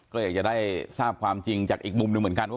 ก็อยากจะได้ทราบความจริงจากอีกมุมหนึ่งเหมือนกันว่า